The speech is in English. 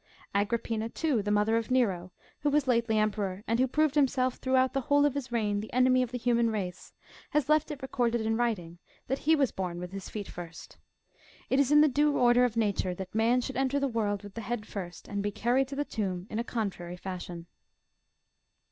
Agrippina, too, the mother of Nero, who was lately Emperor, and who proved himself, throughout the whole of his reign, the enemy of the human race, has left it recorded in writing, that he was born with his feet first. It is in the due order of nature that man should enter the world with the head first, and be carried to the tomb in a contrary fashion.